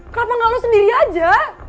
kenapa gak lu sendiri aja